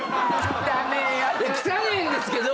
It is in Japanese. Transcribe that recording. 汚えんですけど！